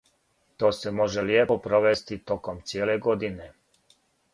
Ту се може лијепо провести током цијеле године.